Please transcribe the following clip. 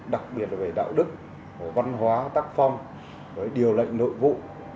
đặc biệt là về đạo đức của văn hóa tác phong với điều lệnh nội vụ